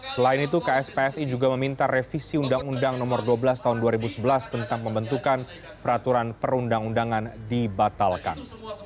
selain itu kspsi juga meminta revisi undang undang nomor dua belas tahun dua ribu sebelas tentang pembentukan peraturan perundang undangan dibatalkan